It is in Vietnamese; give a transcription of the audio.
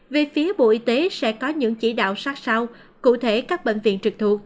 về phía bộ y tế sẽ có những chỉ đạo sát sao cụ thể các bệnh viện trực thuộc